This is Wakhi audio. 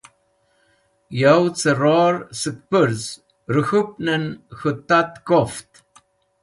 Yavẽ cẽ ror sẽk pũrz rẽk̃hũpnẽn k̃hũ tat koft.